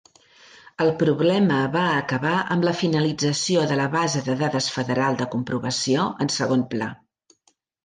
El problema va acabar amb la finalització de la base de dades federal de comprovació en segon pla.